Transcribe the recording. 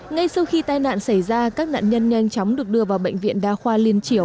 ngay sau khi tai nạn xảy ra các nạn nhân nhanh chóng được đưa vào bệnh viện đa khoa liên triểu